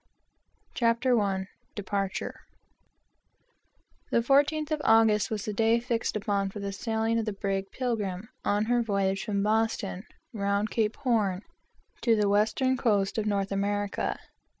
CHAPTER I DEPARTURE The fourteenth of August was the day fixed upon for the sailing of the brig Pilgrim on her voyage from Boston round Cape Horn to the western coast of North America.